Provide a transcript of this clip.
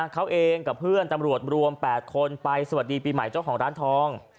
เขาเองกับเพื่อนตำรวจรวม๘คนไปสวัสดีปีใหม่เจ้าของร้านทอง